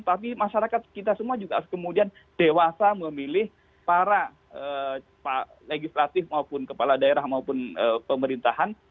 tapi masyarakat kita semua juga harus kemudian dewasa memilih para legislatif maupun kepala daerah maupun pemerintahan